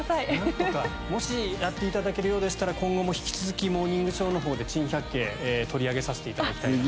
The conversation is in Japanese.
もしやって頂けるようでしたら今後も引き続き『モーニングショー』の方で『珍百景』取り上げさせて頂きたい。